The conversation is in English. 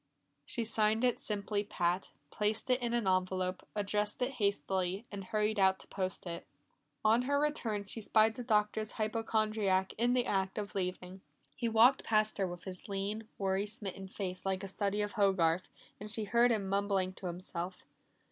She signed it simply "Pat", placed it in an envelope, addressed it hastily, and hurried out to post it. On her return she spied the Doctor's hypochondriac in the act of leaving. He walked past her with his lean, worry smitten face like a study of Hogarth, and she heard him mumbling to himself.